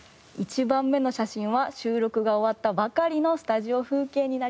１番目の写真は収録が終わったばかりのスタジオ風景になります。